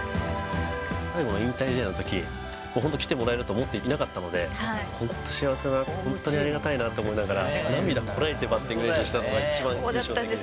最後の引退試合のとき、本当、来てもらえると思っていなかったので、本当に幸せだな、本当にありがたいなと思いながら、涙こらえて、バッティング練習したのが、一番印象的です。